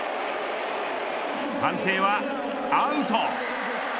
判定はアウト。